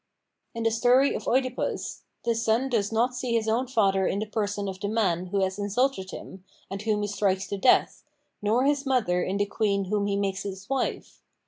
In the story of (Edipus the son does not see his own father in the person of the man who has insulted Mm and whom he strikes to death, nor his mother in the queen whom he makes Ms wife.